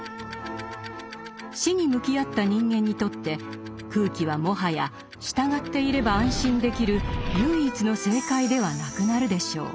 「死」に向き合った人間にとって「空気」はもはや従っていれば安心できる唯一の正解ではなくなるでしょう。